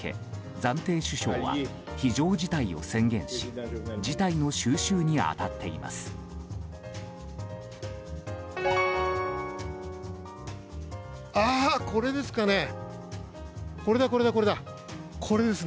暫定首相は非常事態を宣言し事態の収拾に当たっています。